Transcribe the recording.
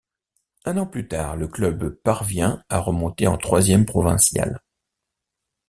Un an plus tard, le club parvient à remonter en troisième provinciale.